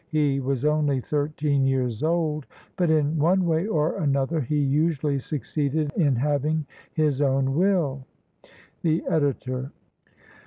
He was only thirteen years old, but in one way or another he usually succeeded in having his own will. The Editor.